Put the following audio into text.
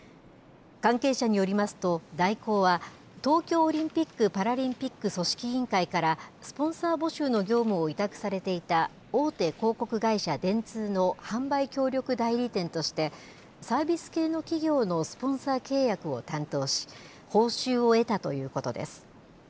関係者によりますと、大広は、東京オリンピック・パラリンピック組織委員会から、スポンサー募集の業務を委託されていた大手広告会社、電通の販売協力代理店として、サービス系の企業のスポンサー契約を担当し、報酬を得たということです。